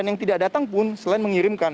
dan yang tidak datang pun selain mengirimkan